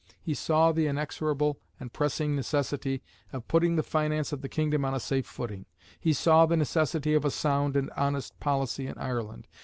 He saw the inexorable and pressing necessity of putting the finance of the kingdom on a safe footing. He saw the necessity of a sound and honest policy in Ireland.